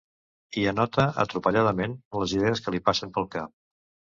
Hi anota, atropelladament, les idees que li passen pel cap.